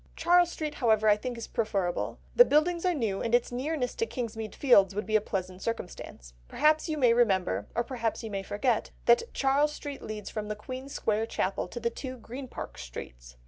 Charles Street, however, I think is preferable. The buildings are new, and its nearness to Kingsmead Fields would be a pleasant circumstance. Perhaps you may remember, or perhaps you may forget, that Charles Street leads from the Queen's Square Chapel to the two Green Park Streets.